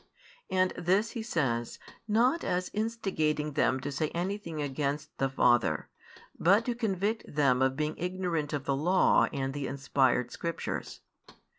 And this He says, not as instigating them to say anything against the Father, but to convict them of being ignorant of the Law and the inspired Scriptures.